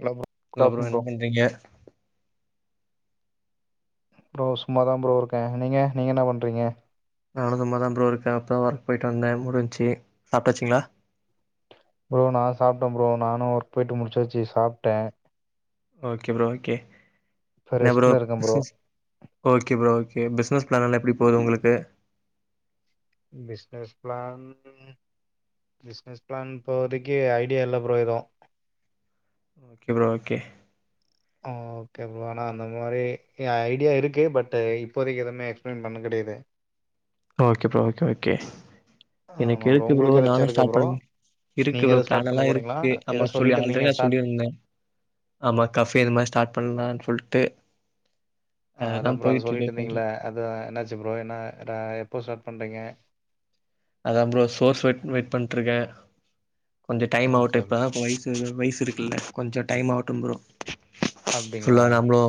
Hello bro good hello bro afternoon என்ன பண்றீங்க bro சும்மாதா ப்ரோ இருக்கே நீங்க நீங்க என்ன பண்றீங்க நானும் சும்மா தா ப்ரோ இருக்கே அப்பறோ வொர்க் போயிட்டு வந்தே முடிஞ்சு சாப்டாச்சிங்களா ப்ரோ நா சாப்ட்டே ப்ரோ நானும் ஒர்க் போயிட்டு முடிச்சாச்சி சாப்ட்டே ஓகே ப்ரோ ஓகே இப்ப என்ன ப்ரோ ரெஸ்ட்ல இருக்கே business okay bro okay business பிளான்லா எப்டி போது உங்களுக்கு பிச்னஸ் பிளான் பிச்னஸ் பிளான் இபோதைக்கு ஐடியா இல்ல ப்ரோ எது okay bro okay okay bro ஆனா அந்த மாரி ஐடியா இருக்கு பட் இப்போதைக்கு எதுமே எக்ஸ்பிளைன் பண்ண முடையது ஓகே ப்ரோ ஓகே ஓகே எனக்கு ஆமா இருக்கு ப்ரோ உங்களுக்கு ஏதாச்சு நானு இருக்கா ஸ்டார்ட் ப்ரோ பண்ண இருக்கு நீங்க ப்ரோ எதோ பிளான் ஸ்டார்ட் பண்ண எல்லா போறீங்களா இருக்கு ஏதோ ஆமா சொல்லி சொல்லிட்டு ஆல்ரெடி இருந்தீங்க நா ஸ்டார்ட் சொல்லிருந்தே ஆமா கஃபே இது மாரி ஸ்டார்ட் பண்ணலானு சொல்ட் ட்டு ஆ அதா ப்ரோ அதா சொல்லிட்டு இருந்தீங்கல்ல அதா என்னாச்சு ப்ரோ என்ன எப்போ ஸ்டார்ட் பண்றீங்க அதா ப்ரோ சோர்ஸ் வரட்டுன் வெயிட் பண்ணிட்டு இருக்கே கொஞ்ச டைம் ஆவுட் ஓகே இப்பதா வயசு வயசு இருக்குல்ல கொஞ்ச டைம் ஆவட்டு ப்ரோ சொல்ல அப்டிங்களா வேனா ப்ரோ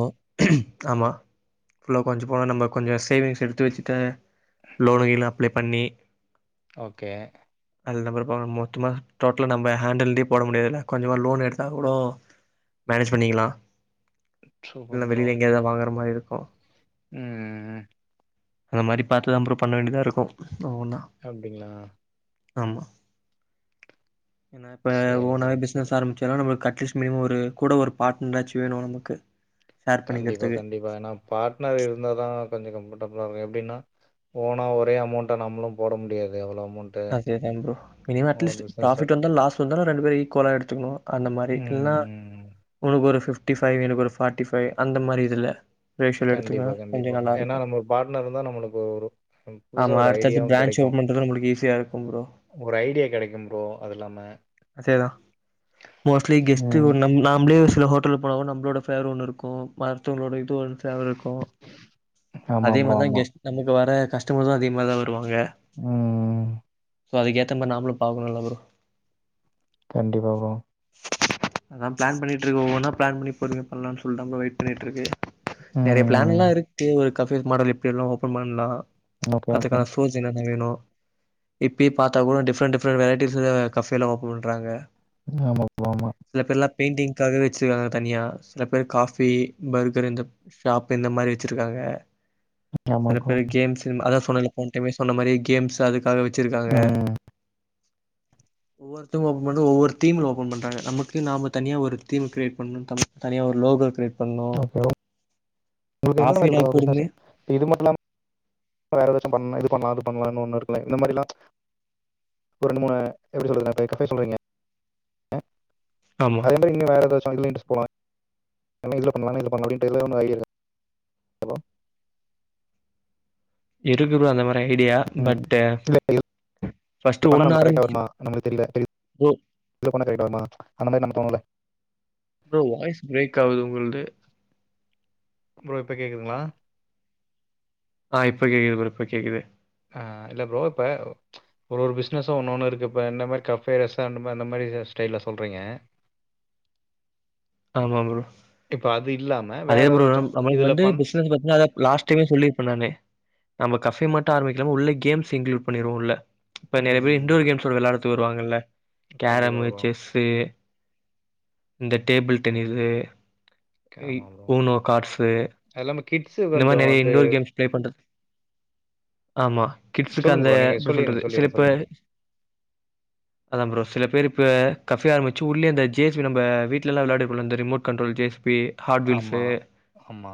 ஆமா ஃபுல்லா கொஞ்ச போனா நம்ம கொஞ்ச சேவிங்ஸ் எடுத்து வச்சுட்டு லோனு இல்லா அப்ளே பண்ணி ஓகே அதுகப்புறோ போனா மொத்தமா டோட்டலா நம்ம ஹேண்டில்யே போட முடியாதுல கொஞ்சமா லோன் எடுத்தா கூட மேனேஜ் பண்ணிக்கலா சூப்பர் இல்ல ப்ரோ வெளியில எங்கய தா வாங்கற மாரி இருக்கு அ ம் அந்த மாரி பாத்துதா ப்ரோ பண்ண வேண்டியதா இருக்கூ ஒன்னு ஒன்னா அப்டிங்ளா ஆமா ஏனா இப்ப சேரி ஓனாவே ப்ரோ சேரி பிசினஸ் ஆரம்பிச்சொனா நமக்கு கட்டுப்படி அட்லீஸ் மினிமம் ஒரு கூட ஒரு பார்ட்னர் ஆச்சும் வேணும் நமக்கு ஷேர் கண்டிப்பா பண்ணிக்கிறதுக்கு கண்டிப்பா ஏன பார்ட்னர் இருந்தா தான் கொஞ்சோ கம்ஃபர்டபுளா இருக்கும் அப்படின்னா ஓனா ஒரே அமௌண்டா நம்மளும் போட முடியாது அவ்வளவு அதேதான் bro minimum at least business profit run வந்தாலும் லாஸ் வந்தாலும் ரெண்டு பேரும் ஈக்குவலா எடுத்துக்கணும் அந்த மாதிரி இல்ன்னா ம் உங்களுக்கு ஒரு பிப்டிஃபை எனக்கு ஒரு ஃபாடிபை அந்த மாதிரி இதுல ரேஷியோல எடுத்துக்குனா கண்டிப்பா கொஞ்சம் கண்டிப்பா ஏன்னா நல்லாருக்கும். நம்பளுக்கு ஒரு பார்ட்னர்ருந்தான் நம்மளுக்கு ஒரு புதுசா ஆமா ஒரு அடுத்தடுத்து ஐடியாவும் பிரான்ச் கெடைக்கூ ஓப்பன் பண்றது நம்மளுக்கு ஈஸியா இருக்கும் பரோ அது இல்லாம அதேதான் மோஸ்ட்லி கெஸ்ட ம் நாமளே சில ஹோட்டல்க்கு போனால்லும் நம்ளோட ஃபேவர் ஒன்னு இருக்கும் மத்தவங்களோடு இது இருக்கும் ஆமா அதே ப்ரோ மாதிரிதான் ஆமா கெஸ் நமக்கு வர கஷ்ட [unintelligible] அதிகமா தா ட்டுவாங்க ம் சோ அதுக்க ஏத்த மாதிரி நாமளும் பா்க்கணும்ல பரோ கண்டிப்பா ப்ரோ அதான் பிளான் பண்ணிட்டு இருக்கு ஒவ்வ ஒவ்வொன்னா பிளான் பண்ணி பொறுமையா பண்ணலாம்னு சொல்லி வெயிட் பண்ணிட்டு இருக்கு நெறைய பிளான் ம் எல்லாம் இருக்கு ஒரு கஃபேஸ் மாடல் இப்படிெல்லாம் ஓப்பன் பண்ணலாம் ஓகே ஓகே அதுக்கான சோர்ஸ் என்னென்ன வேணு இப்பய ப பா்த்தா கூட டிப்ரெண்ட் டிஃரெண்ட் வெரைட்டிஸ் கஃபே எல்லா ஓபன் பண்றாங்க ஆமாமா பெயிண்டிங்க்காக வச்சுருக்காங்க தனியா சில பேர் காஃபி பர்கர் இந்த ஷாப் இந்த மாதிரி வச்சிருக்காங்க ஆமா சில ப்ரோ பேர் கேம்ஸ் அதான் சொன்ன போன டைமே சொன்ன மாரி கேம்ஸ் அதுாகச்ச வச்சுருக்காங்க ம் ஒவ்வொருத்தக்கும் ஓன்ண்ண ஒவ்வொரு தீம்ல ஓபன் பண்றாங்க நமக்கு நாம தனியா ஒரு தீம் கிரியேட் பண்ணு தனியா ஒரு லோகோ பண்ணு ஒகே [unintelligible] காஃபினா கூடமே இது மட்டுமில்லாம வேற ஏதாச்சு பண்லா பண்ணலாம்னு ஒண்ணு இருக்கல இந்த மாரிலா ஒரு ரெண்டு மூணு எப்டி சொல் சொல்றீங்க [inaudible] அ ஆமா அதே மாதிரின்னும் வேரதாச்சு [inaudible] போவாங்க ஏன்னா இதுல பண்ணலானா [inaudible] ஹலோ இருக்கு ப்ரோ அந்த மாரி ஐடியா ம் பட்டு இல்ல இதுல ஃபர்ஸ்ட்டு பண்ணா ஒன்னு நமக்கு கரெக்டா ஆரம்பிச்சு வருமா நம்மளுக்கு தெரியல சரி, ஒ இதுல பண்ணா கரெக்டா வருமா அந்த மாதிரி நம்ம தோணல ப்ரோ வாய்ஸ் பிரேக் ஆகுது உங்ள்து ப்ரோ இப்ப கேக்குதுங்ளா ஆஹ் இப்பகேக்குது ப்ரோ இப்பகேக்குது ஆஹ் இல்ல ப்ரோ இப்ப ஒரு பிசினஸு ஒன்னு ஒன்னு இருக்கு இப்ப என்ன மாரி கஃபே ரெஸ்டாரன்ட் அந்த மாரி ஸ்டெய்ல்ல சொல்றீங்க ஆமா ப்ரோ இல்லாமல் அதே வேறு ப்ரோ ஏதாச்சும் நம்ளுக்கு இதில் வந்து பண் பிசினஸ் பாத்தீங்னா அதா லாஸ்ட் டைமே சொல்லிருப்பேனே நானு நம்ப கஃபே மட்டு ஆரம்பிக்காம உள்ளே கேம்ஸ் இன்க்ளூட் பண்ணிருவோ உள்ள இப்ப நெறைய பேர் ம் இண்டோர் கேம்ஸ் வெளாட த்து வருவாங்கல கண்டிப்பாக கேரமு ப்ரோ செஸ்ஸு இந்த டேபிள் டென்னிஸு ஆமாம் ப்ரோ ஊனோ காட்சு அது இல்லாமல் கிட்ஸு இந்த மாரி கொஞ்சம் நெறைய இன்டோர் கேம்ஸ் பிளே பண்றது ஆமா கிட்ஸுக்கு சொல்லுங்க அந்த ப்ரோ. நீங்க எப்டி சொல்லிருங்க, சொல்றது சேரி சொல்லிருங்க, இப்ப சொல்லி முடிங்க. அதா ப்ரோ சில பேர் இப்ப கஃபே ஆரமிச்சு உள்ளே அந்த ஜேஸ்பி நம்ப வீட்லலா வெளாடும்ல இந்த ரிமோட் கண்ட்ரோல் ஜேஸ்பி ஆமா ஆமா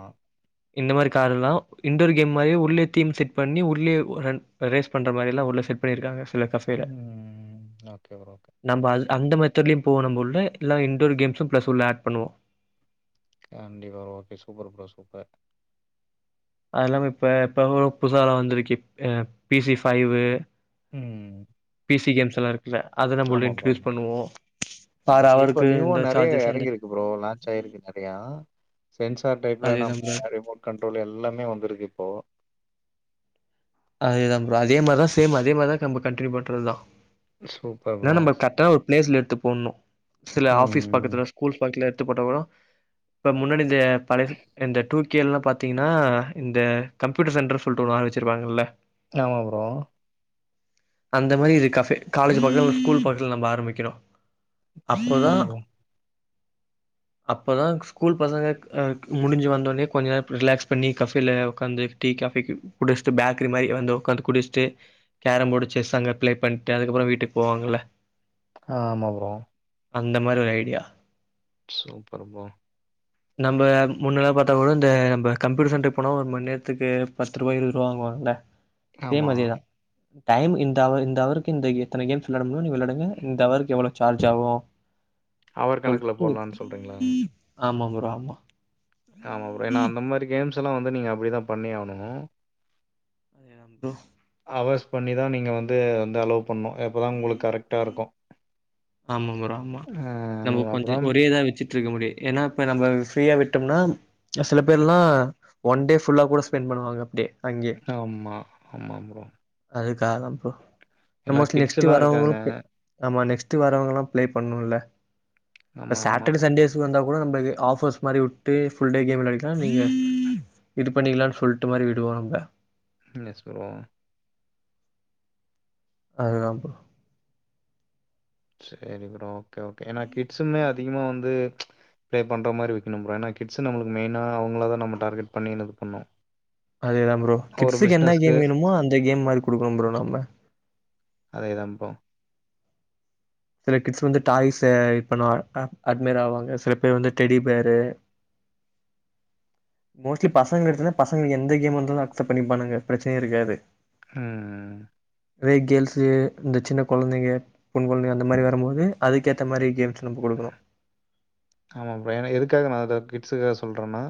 இந்த மாரி கார்லா இன்டோர் கேம் மாரியே உள்ளே தீம் செட் பண்ணி உள்ளே ரன் ரேஸ் பண்ற மாரிலா உள்ள செட் பண்ணிருக்காங்க கஃபேல ம். Okay bro. ஓகே. நம்ப அது அந்த மெத்தட்லயு போனுமுல்ல எல்லாம் இன்டோர் கேம்ஸும் பிளஸ் உள்ள ஆட் பண்ணுவோ கண்டிப்பா ஓகே சூப்பர் ப்ரோ சூப்பர் அது இல்லாம இப்ப இப்ப புதுசாலா வந்திருக்கே ஆஹ் பிசி ஃபைவு உம் சியம்ஸ்லா இரு ஆமா ப்ரோ பர் இப்ப அவருக்கு நியூவ இந்த நெறைய சார்ஜஸ் அந்த எறங்கிருக்கு ப்ரோ லாச் ஆயிருக்கு நெறையா சென்சார் டைப்ல அதேதான் ப்ரோ [inaudible] ரிமோட் கண்ட்ரோல் எல்லாமே வந்துருக்கு இப்போ அதேதா ப்ரோ அதே மாரிதா சேம் அதே மாரிதா நம்ப கண்டினியூ பண்றதுதா சூப்பர் ப்ரோ பிளேஸ்ல எடுத்து போணு சில ஆஃபீஸ் ம். பக்கத்துல ஸ்கூல் பக்துல போட்டா கூட இப்ப முன்னாடி இந்த பழசு இந்த [unintelligible] கேல்லா பாத்தீங்ன்னா இந்த கம்யூட்டர் சென்ட்ரு சொல்ட்டு ஒரு ஆள் வச்சிருப்பாங்கல ஆமா ப்ரோ அந்த மாரி இதுக்கசக் காலேஜ் பக்கத்துல ஸ்கூல் பக்கத்துல நம்ப ஆரம்பிக்கிறோ அப்போதா சூப்பர் ப்ரோ. அப்பதா ஸ்கூல் பசங்க முடிஞ்சி வந்தோனே கொஞ்ஜோ நேரோ ரிலாக்ஸ் பண்ணி கஃபேல ஒக்காந்து டீ காஃபி குடிச்ட்டு பேக் அக்கற மாரி வந்து ஒக்காந்து குடிச்ட்டு கேரம் போடு செஸு அங்க பிளே பண்ட்டு அதுக்கப்றோ வீட்டு ஆமா ப்ரோ அந்த மாரி ஒரு ஐடியா சூப்பர் ப்ரோ நம்ப முன்னல்ல பாத்தா கூட இந்த நம்ப கம்யூட்டர் சென்டர் போனா ஒரு மணி நேரத்துக்கு பத்ருவா இருவத்ருவா வாங்குவாங்கல சேம் ஆமா. அதேதா டைம் இந்த அவர் இந்த அவருக்கு இந்த எத்தன கேம்ஸ் வெளையாடமுடியுமோ நீங்க வெளையாடுங்க இந்த அவருக்கு எவ்வள சார்ஜ் ஆவு அவர் கணக்குல போடலான்னு சொல்றீங்களாங்க ஆமா ப்ரோ ஆமா ஆமா ப்ரோ ஏனா அந்த மாரி கேம்ஸ் ஆக்சுவல்லா வந்து நீங்க அப்டி தா பண்ணி ஆவணு ஏ ப்ரோ அவர்ஸ் பண்ணி தா நீங்க வந்து வந்து அலோ ஆமா ப்ரோ ஆமா அ நம்ம கொஞ்சோ அப்புறம் ஒரே இதா வெச்சிட்ருக்க முடியு எனா இப்ப நம்ப ஃப்ரீயா விட்டம்னா சில பேர்லா ஒன் டே ஃபுல்லா கூட ஸ்பெண்ட் பண்ணுவாங்க அப்டே ஆமா ஆமா ப்ரோ அதுக்காதா ப்ரோ என்னா கிட்ஸ் டு வர்றவங்களுக்கு ஆமா நெக்ஸ்ட் ட்டு வர்றவங்கல்லா பிளே பண்ணுல்ல ஆமா, ஆமா. சாட்டர்டே சண்டேஸ்க்கு வந்தா அப்பறோ நம்ப இது ஆஃபர்ஸ் மாரி விட்டு ஃபுல்டே கேம் விளாடிக்கலா நீங்க இது பண்ணிக்கலான்னு சொல்ட்டு மாரி விடுவாங்க. என்னாச்சி ப்ரோ அதுதா ப்ரோ சேரி ப்ரோ ஓகே ஓகே ஏன்னா கிட்ஸ்ன்னு அதிகமா வந்து பே பண்ற மாரி விக்கணு ப்ரோ ஏனா கிட்ஸு நம்மளுக்கு மெய்னா அவுங்களதா நம்ம டார்கெட் பண்ணி என்னது பண்ணோ அதேதா ப்ரோ கிட்ஸுக்கு என்ன கேம் வேணுமோ அந்த கேம் மாரி குடுக்குணு ப்ரோ நம்ம அதேதான் ப்ரோ. சில கிட்ஸு வந்து டாய்ஸே இது பண்ணுவாங்க அட்மய்ர் ஆவாங்க சில பேர் வந்து டெடி பியரு மோஸ்ட்லி பசங்க எடுத்தோனா பசங்ளுக்கு எந்த கேம் இர்ந்தாலு அக்செப்ட் பண்ணிப்பானுங்க பிரச்னையே இருக்காது ம் ம் வெய் கேர்ள்ஸ் இந்த சின்ன கொழந்தைங்க பொண் கொழந்தைங்க அந்த மாரி வரம்போது அதுக்கேத்த மாரி கேம்ஸ் நம்போ குடுக்கணு ஆமா ப்ரோ ஏன்னா எதுக்காக நா அத கிட்ஸுக்கா சொல்றேன்னா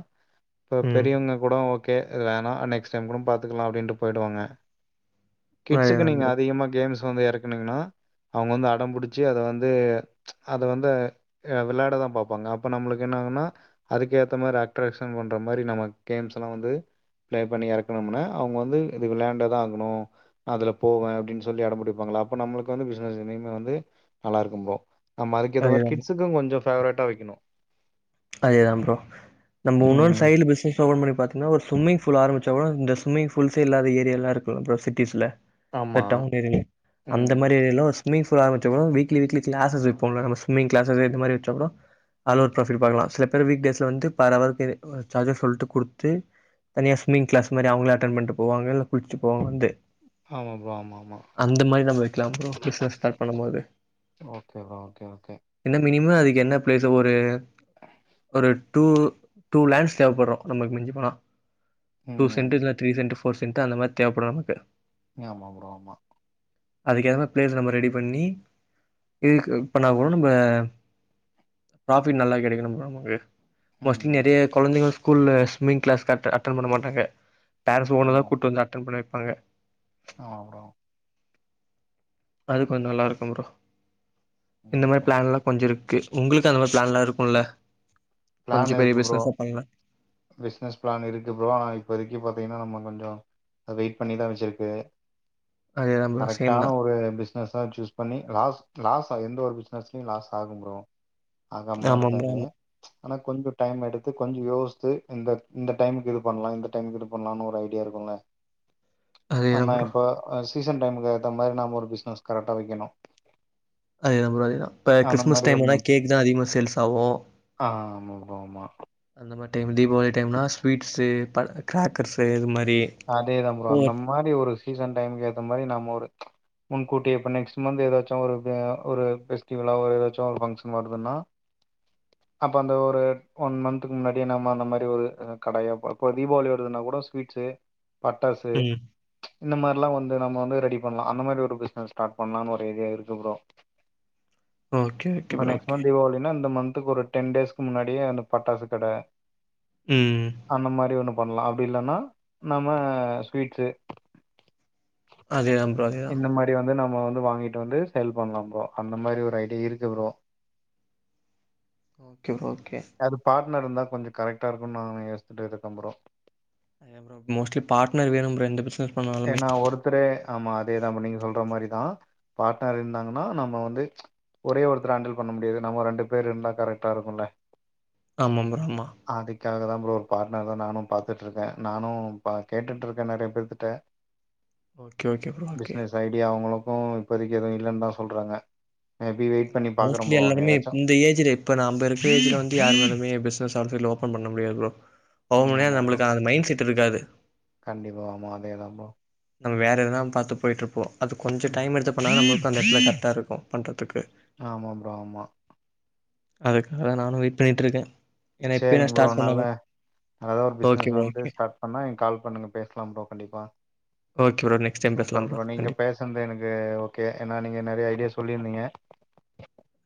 இப்ப ம் பெரியவங்க கூட ஓக் கே இது வேணா நெக்ஸ்ட் டைம் கூடம் பாத்துக்குலா அப்டின்ட்டு போய்டுவாங்க கிட்ஸுக்கு அதேதா நீங்க ப்ரோ அதிகமா கேம்ஸ் கொண்டு வந்து எறக்குனீங்கன்னா அவுங்க வந்து அடம் புடிச்சி அத வந்து அத வந்து ஆ விளாடதா பாப் பாங்க அப்ப நம்மளுக்கு என்ன ஆகுன்னா அதுக்கேத்த மாரி அக்ட்ராக்ஷன் பண்ற மாரி நம்ம கேம்ஸ் எல்லா வந்து பிளே பண்ணி எறக்குணோம்னா அவுங்க வந்து இது விளாண்டுதா ஆகுணு அதுல போவே அப்டின் சொல்லி அடம் புடிப்பாங்கள அப்ப நம்மளுக்கு வந்து பிஸ்னஸு மெயின்னா வந்து நல்லா இருக்கும் ப்ரோ நம்ம அதுக்கேத்த மாரி அதேதா கிட்ஸுக்கும் கொஞ்சோ ஃபேவரட்டா வை கணும் அதேதான் ப்ரோ நம்மு உன்னொன்னு ம். சைட்ல பிஸ்னஸ் ஓபன் பண்ணி பாத்தீங்ன்னா ஒரு சும்மிங் ஃபூல் ஆரமிச் சோமுனா இந்த சும்மிங் ஃபூல்ஸே இல்லாத ஏரியால்லா இருக்குல ப்ரோ சிட்டீஸ்ல இந்த ஆமா. டவ்ன் ஏரியால அந்த ம். மாரி ஏர்லோஸ் சும்மிங் ஃபூல் ஆரமிச்சம்னா வீக்லி வீக்லி கிளாஸஸ் வைப்போல நம்ம சும்மிங் கிளாஸஸு இந்த மாரி வெச்ட்டா கூடோ அதுல ஒரு ப்ராஃபிட் பாகலா சில பேர் வீக் டேஸ்ல வந்து பர் அவரு பேரு சார்ஜஸ் சொல்ட்டு குடுத்துட்டு தனியா ஸ்மிங் கிளாஸ் மாரி அவுங்ளே அட்டென் பண்ட்டு போவாங்க இல்ல குள்ச்சுப்போவாங்க வந்து ஆமா ப்ரோ. ஆமா, ஆமா. அந்த மாரி நம்ம வைக்லா ப்ரோ பிஸ்னஸ் ஸ்டாட் பண்ணும்போது ஓகே ப்ரோ. Okay, okay. இன்ன மெய் மினிமம் அதுக்கு என்ன பிளேஸு ஒரு ஒரு டூ டூ லான்ஸ் தேவப்படு நமக்கு மிஞ்சி போனா டூ செண்டர்ஸ் ல ம். த்ரீ செண்டர்ஸ் போர்சென்ட்டு அந்த மாரி தேவப்படு நமுக்கு நி ஆமா ப்ரோ ஆமா அதுக் ஏத மார் பிளேஸு நம்ம ரெடி பண்ணி இதுக்கு இப்பனா கூட நம்ப ப்ராஃபிட் நல்லா கெடைக்கு நம் போனா போ விடு மோஸ்ட்லி ம். நெறைய கொழந்தைங்க ஸ்கூல்ல ஸ்மிங் கிளாஸ் ஸ்டாட் அட்டன் பண்ண மாட்டாங்க பேரன்ஸ் ஓன்னுதா கூட் வந்து அட்டன் பண்ண வப் பாங்க ஆஹ் ப்ரோ அது கொஞ்சோ நல்லா இருக்குன் ப்ரோ இந்த மாரி ஓகே பிளான்ல்லா கொஞ்சுருக்கு உங்களுக்கு அந்த மாரி பிளான்லா இருக்குல்ல கொஞ்சு பெரிய பிஸ்னஸா பண்லா பிஸ்னஸ் பிளான் இருக்கு ப்ரோ ஆனா இப்போதைக்கி பாத்தீங்கன்னா நம்ம கொஞ்சோ வெயிட் பண்ணிதா வச்சிருக்கு அதேதா ப்ரோ சேம் தா கரெக்டான ஒரு பிஸ்னஸா சூஸ் பண்ணி லாஸ் லாஸ் அது எந்த ஒரு பிசினஸ்லியு லாஸ்சாகும் ப்ரோ ஆகாம்லா ஆமா ப்ரோ இருக்காது ஆமா ஆனா கொஞ்சோ டைம் எடுத்து கொஞ்சோ யோச் தோய் உங்க இந்த டைம்க்கு இது பண்ணலா இந்த டைம்க்கு இது பண்லான்னு ஒரு ஐடியா இருக்கும்ல அதேதா ஆமா ப்ரோ இப்போ அ ஸ் சீசன் டைமுக்கு ஏத்த மாதிரி நாம ஒரு பிசினஸ் கரெக்டா வைக்கணு அதேதா ப்ரோ அதேதா இப்ப அந்த கிறிஸ்மஸ் மாரி டைம்லா ஒன்னு கேக் தா அதிகமா சேல்ஸ்சாகு ஆ ஆமா ப்ரோ ஆமா அந்த மாரி டைம் தீபாவளி டைம்னா ஸ்வீட்ஸு பர் கிராக்கர்ஸு இது மாரி அதே தா ப்ரோ ஓ அந்த மாரி ஒரு சீசன் டைம்க்கேத்த மாரி நம்ம ஒரு முன்கூட்டியே இப்ப நெக்ஸ்ட் மந்து எதாச்சு ஒரு பே ஒரு ஃபெஸ்டிவலோ ஒரு எதாச்சு ஒரு ஃபங்க்ஷன் வருதுன்னா அப்ப அந்த ஒரு ஒன் மன்த்துக்கு முன்னாடியே நம்ம அந்த மாரி ஒரு அ கடைய இப்ப இப்ப தீபாவளி வருதுன்னா கூட ஸ்வீட்ஸு பட்டாசு ம் இந்த மார்ல்லா வந் து நம்ம வந்து ரெடி பண்லா அந்த மாரி ஒரு பிஸ்னஸ் ஸ்டார்ட் பண்லானு ஒரு ஐடியா இருக்கு ப்ரோ ஓகே ஓகே இப்ப ப்ரோ நெக்ஸ்ட் ஓகே மந்த் தீபாவளினா இந்த மந் ஒரு டென் டேஸ்க்கு முன்னாடியே ஒரு பட்டாசு கட ம் அந்த மாரி ஒன்னு பண்லா அப்டி இல்லனா நம்ம ஸ்வீட்ஸு அதே தா ப்ரோ அதே தா து வாங்கிட் வந்து சேல் பண்லா ப்ரோ அந்த மாரி ஒரு ஐடியா இருக்கு ப்ரோ ஓகே ப்ரோ ஓகே எதாது பா அண்ண இருந்தா கொஞ்ச கரெக்ட்டா இருக்குன் நா யோசிச்சிட்டுருக்க ப்ரோ மோஸ்ட்லி பார்ட்னர் வேணும் ப்ரோ எந்த பிஸ் ஏனா ஒருத்தரே ஆமா அதே தா ப் நீங்க சொல்ற மாரி தா பார்ட்னர் இருந்தாங்கன்னா நம்ம வந்து ஒரே ஒருத்தர் ஹேண்டில் பண்ண முடியாது நம்ம ரெண்டு பேர் இருந்தா கரெக்ட்டா இருக்குண்ணே ஆமா ப்ரோ ஆமா தான் ப்ரோ பார்ட்னர் தா நானு பாத்துட்ருக்கே நானு பா கேட்டுட்ருக்கே நெறைய பேர்த்துட்ட okay okay bro okay business idea அவங்களு போ இப்போதிக்கு எதுவு இல்லன் தா சொல்றாங்க மேபி வெயிட் பண்ணி பார்க்குறோம் மோஸ்ட்லி ப்ரோ எல்லாருமே ஏதாச்சும் இந்த ஏஜ்ல இப்ப நம்ப இருக்கற ஏஜ்ல வந்து யாரு [inaudible] பிஸ்னஸ் [unintelligible] லோ ஓபன் பண்ண முடியாது ப்ரோ ம், அவுங்களே ஆமா ப்ரோ நம்ளுக்கு அந் மைண்ட் செட் திருகாது கண்டிப்பா ஆமா அதே தான் ப்ரோ நம்ம வேற எதனா பார்த்து போயிட்டு இருப்போம் அது கொஞ்சம் ம், டைம் எடுத்த பண்ணா நம் அந்த இடத்துல கரெக்ட்டா இருக்கும் பண்றதுக்கு ஆமா ப்ரோ ஆமா அதுக்காக நானும் வெயிட் பண்ணிட்டு இருக்கே சேரிங்க ப்ரோ அதனால நல்லதா ஒரு ஓகே பிசினஸ் ப்ரோ வந்து ஓகே ஸ்டார்ட் பண்ணா கால் பண்ணுங்க பேசலாம் ப்ரோ கண்டிப்பா okay bro next time super பேசலாம் ப்ரோ நீங்க கண்டிப்பா பேசனது எனக்கு ஓகே ஏன்னா நீங்க நிறைய ஐடியா சொல்லிருந் ங்க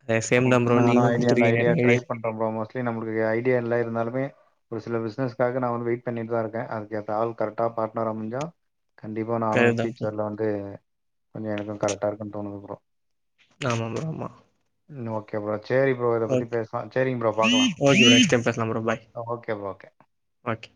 அதே சேம் தா ப்ரோ நானும் நீங்களு ஐடியா அந்த குடுத்துருக்கீங்க ஐடியா நெறைய ட்ரை பண்ற ப்ரோ மோஸ்ட்லி நம்மளுக்கு ஐடியா எல்லாம் இருந்தாலுமே ஒரு சில பிசினஸ் காக நான் வெயிட் பண்ணிட்டு தான் இருக்கேன். அதுக்கேத்த ஆள் கரெக்டா பாட்னரா அமைஞ்சா கண்டிப்பா நானும் கரெக்ட் தா ப்ரோ ஃபயூச்சர்ல வந்து கொஞ்சம் எனக்கும் கரெக்டா இருக்குன்னு தோணுது ப்ரோ ஆமா ப்ரோ ஆமா ம் ஓகே பாரு சேரி ப்ரோ இத பத்தி ஓகே பேசலா சேரிங்க ப்ரோ பாக்கலா ஓகே நெக்ஸ்ட் டைம் பேசலா bro bye okay bro okay okay